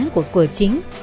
của cửa chính